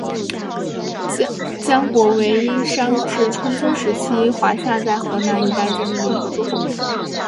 江国为殷商至春秋时期华夏在河南一带建立的一个诸侯国。